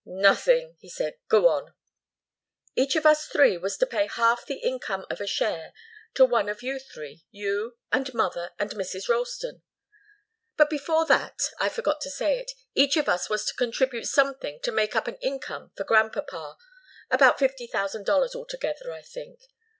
"Nothing," he said. "Go on." "Each of us three was to pay half the income of a share to one of you three, you and mother, and Mrs. Ralston. But before that I forgot to say it each of us was to contribute something to make up an income for grandpapa about fifty thousand dollars altogether, I think.